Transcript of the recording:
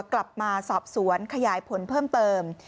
กลับมาสอบสวนขยายผลเพิ่มเติม